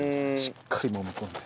しっかりもみ込んで。